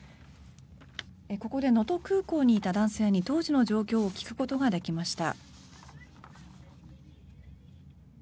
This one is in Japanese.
ここで能登空港にいた男性に当時の状況を聞くことができました。